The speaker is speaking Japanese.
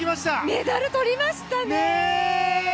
メダルとりましたね。